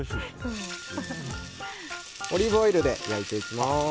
オリーブオイルで焼いていきます。